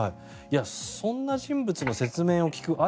そんな人物の説明を聞く